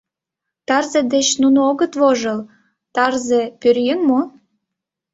Тарзе деч нуно огыт вожыл: тарзе — пӧръеҥ мо?